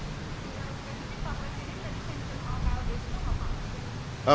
jadi pak presiden dari sinti komal di situ ngomong